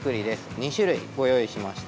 ２種類ご用意しました。